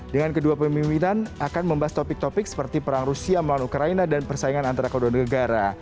dengan kedua pemimpinan akan membahas topik topik seperti perang rusia melawan ukraina dan persaingan antara kedua negara